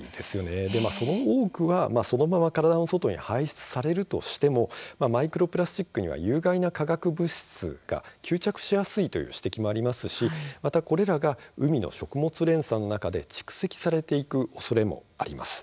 その多くはそのまま体の外に排出されるとしてもマイクロプラスチックには有害な化学物質が吸着しやすいという指摘もありますしまた、これらが海の食物連鎖の中で蓄積されていくおそれもあります。